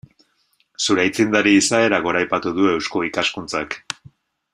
Zure aitzindari izaera goraipatu du Eusko Ikaskuntzak.